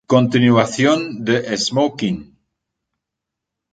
Continuación de "Esmoquin".